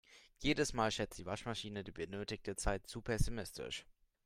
Jedes Mal schätzt die Waschmaschine die benötigte Zeit zu pessimistisch.